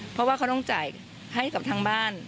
เพราะว่าเขาต้องจ่ายให้กับทางบ้าน